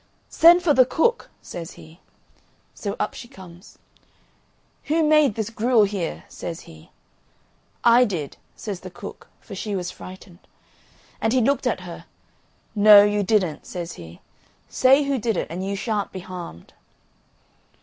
"Send for the cook," says he. So up she comes. "Who made this gruel here?" says he. "I did," says the cook, for she was frightened. And he looked at her, "No, you didn't," says he. "Say who did it, and you shan't be harmed."